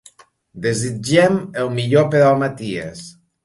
Desitgem el millor per al Maties.